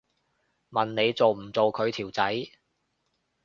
問你做唔做佢條仔